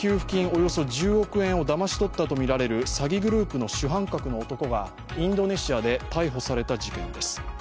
およそ１０億円をだまし取ったとみられる詐欺グループの主犯格の男がインドネシアで逮捕された事件です。